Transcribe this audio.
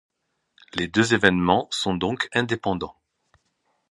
Les deux événements sont donc indépendants.